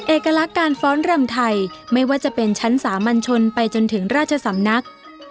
เอกลักษณ์การฟ้อนรำไทยไม่ว่าจะเป็นชั้นสามัญชนไปจนถึงราชสำนัก